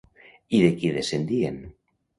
I de qui descendien?